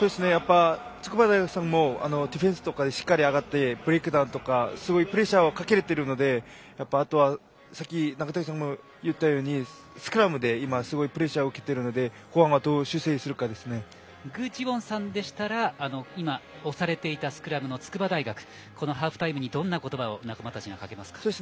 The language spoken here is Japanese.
筑波大学さんもディフェンスとかでしっかり上がってブレイクダウンとかプレッシャーをかけられているのであとは、さっき中竹さんも言ったようにスクラムですごいプレッシャーを受けているので具智元さんでしたら今、押されていたスクラムの筑波大学、このハーフタイムにどんな言葉を仲間たちにかけますか？